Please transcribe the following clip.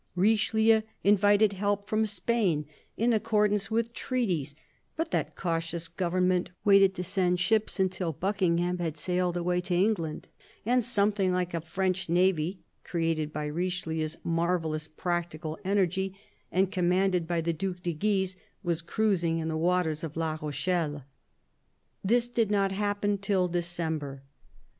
Richelieu invited help from Spain, in accordance with treaties; but that cautious government waited to send ships till Buckingham had sailed away for England and something like a French navy, created by Richelieu's marvellous practical energy and commanded by the Due de Guise, was cruising in the waters of La Rochelle. This did not happen till December.